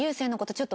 ちょっと